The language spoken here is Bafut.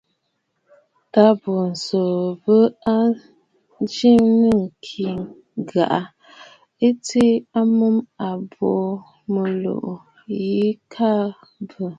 Tâ bo tsuu bə̂ a njɨ̀m ɨ kɨ ghàà, ɨ tsuu ɨbùꞌù a mbo mɨ̀lùꞌù ɨ kɨɨ bə.